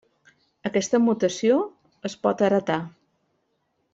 Aquesta mutació es pot heretar.